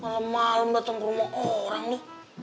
malem malem dateng ke rumah orang lu